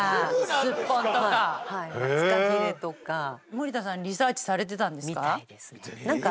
森田さんリサーチされてたんですか？